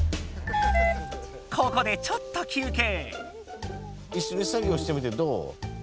ここでちょっと休けい。